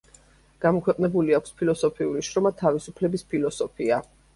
გამოქვეყნებული აქვს ფილოსოფიური შრომა „თავისუფლების ფილოსოფია“.